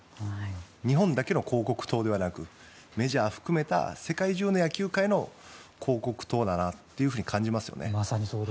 日本だけの広告塔ではなくメジャーを含めた世界中の野球界の広告塔だなと感じますね。